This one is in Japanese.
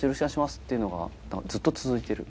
っていうのがずっと続いてる。